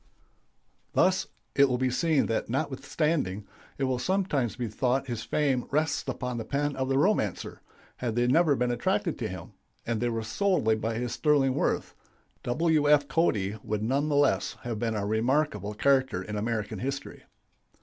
] Thus it will be seen that notwithstanding it will sometimes be thought his fame rests upon the pen of the romancer, had they never been attracted to him and they were solely by his sterling worth W. F. Cody would none the less have been a remarkable character in American history.